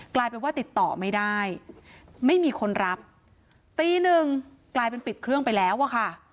กลายเป็นว่าติดต่อไม่ได้ไม่มีคนรับตีหนึ่งกลายเป็นปิดเครื่องไปแล้วอะค่ะ